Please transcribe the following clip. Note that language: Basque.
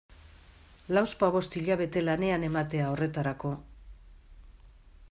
Lauzpabost hilabete lanean ematea horretarako...